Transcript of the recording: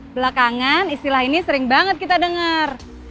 belakangan istilah ini sering banget kita dengar